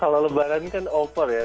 kalau lebaran kan opor ya